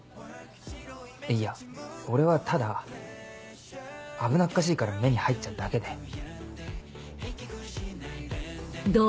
いや俺はただ危なっかしいから目に入っちゃうだけで。